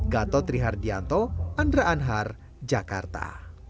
gato trihardianto andra anhar jakarta